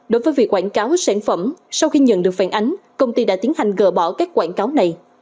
đối với việc quảng cáo sản phẩm sau khi nhận được phản ánh công ty đã tiến hành gỡ bỏ các quảng cáo này